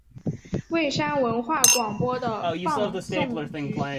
蔚山文化广播的放送局。